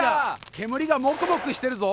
けむりがモクモクしてるぞ。